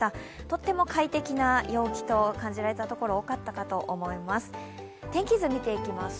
とっても快適な陽気と感じられた所、多かったかと思います。